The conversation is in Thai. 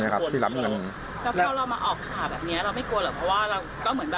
ถ้าเพราะเรามาออกข่าวแบบนี้เราไม่กลัวเหรอ